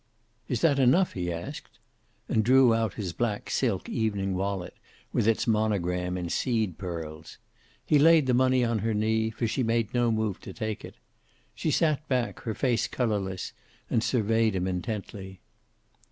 "Is that enough?" he asked. And drew out his black silk evening wallet, with its monogram in seed pearls. He laid the money on her knee, for she made no move to take it. She sat back, her face colorless, and surveyed him intently.